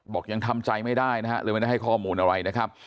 ยังทำใจไม่ได้นะฮะเลยไม่ได้ให้ข้อมูลอะไรนะครับ